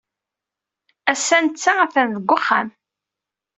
Ass-a, netta atan deg uxxam.